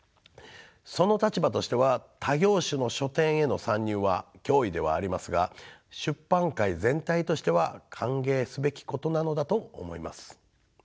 その立場としては他業種の書店への参入は脅威ではありますが出版界全体としては歓迎すべきことなのだと思います。